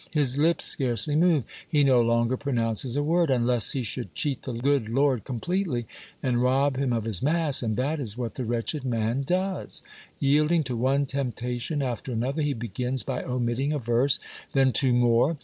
His lips scarcely move. He no longer pronounces a word. Unless he should cheat the good Lord com pletely and rob Him of His mass? — and that is what the wretched man does. Yielding to one temptation after another, he begins by omitting a verse, then two more.